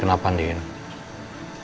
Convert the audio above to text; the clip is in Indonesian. kenapa jessica juga bohong sama aku